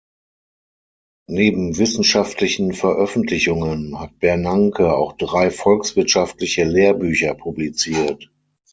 Neben wissenschaftlichen Veröffentlichungen hat Bernanke auch drei volkswirtschaftliche Lehrbücher publiziert.